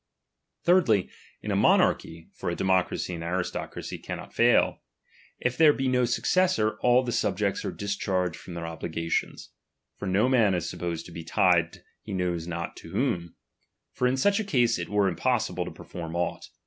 Thirdly, in a monarchy, (for a ^| democracy and aristocracy caimot fail), if there be ^| no successor, all the subjects are discharged from !^^ their obligations ; for no man is supposed to be ^| tied he knows not to whom ; for in such a case it ^| were impossible to perform aught.